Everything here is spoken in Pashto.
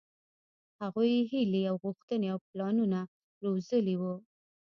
هغوۍ هيلې او غوښتنې او پلانونه روزلي وو.